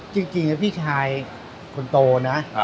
จริงพี่ชายคนโตนะ